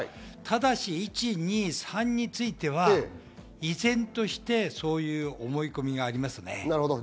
ただし１、２、３については、依然としてそういう思い込みがありますね。